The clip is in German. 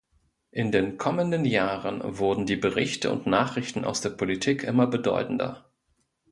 In den kommenden Jahren wurden die Berichte und Nachrichten aus der Politik immer bedeutender.